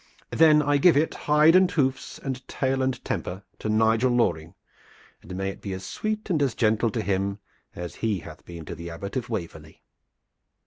"Then I give it hide and hoofs, tail and temper to Nigel Loring, and may it be as sweet and as gentle to him as he hath been to the Abbot of Waverley!"